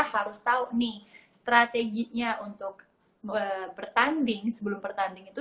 harus tahu nih strateginya untuk bertanding sebelum pertanding itu